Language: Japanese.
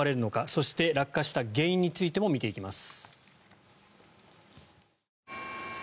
そして、落下した原因についても見ていきます。